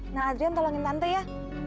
nah adrian tolongin tante ya